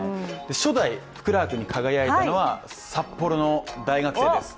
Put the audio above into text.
初代福ラークに輝いたのは、札幌の大学生です。